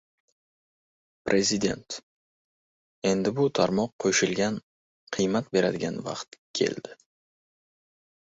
Prezident: Endi bu tarmoq qo‘shilgan qiymat beradigan vaqt keldi